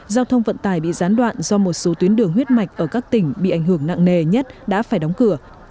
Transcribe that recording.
giao thông vận tài bị gián đoạn do một số tuyến đường huyết mạch ở các tỉnh bị ảnh hưởng nặng nề nhất đã phải đóng cửa